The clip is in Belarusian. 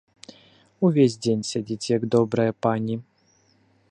Увесь дзень сядзіць, як добрая пані.